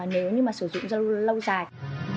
nếu như mà sử dụng lâu dài